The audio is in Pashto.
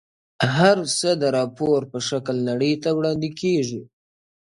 • هر څه د راپور په شکل نړۍ ته وړاندي کيږي,